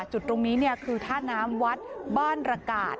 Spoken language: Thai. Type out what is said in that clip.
จุดตรงนี้คือท่าน้ำวัดบ้านระกาศ